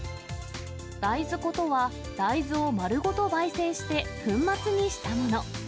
大豆粉とは、大豆を丸ごとばい煎して粉末にしたもの。